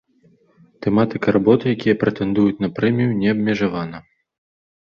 Тэматыка работ, якія прэтэндуюць на прэмію, не абмежавана.